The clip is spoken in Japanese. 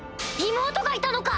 妹がいたのか！